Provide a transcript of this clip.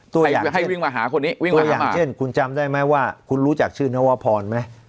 ตัวอย่างเช่นตัวอย่างเช่นคุณจำได้ไหมว่าคุณรู้จักชื่อนวพรไหม